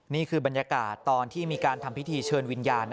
นี่คือบรรยากาศตอนที่มีการทำพิธีเชิญวิญญาณ